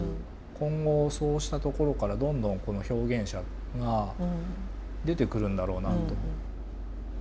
今後そうしたところからどんどん表現者が出てくるんだろうなと。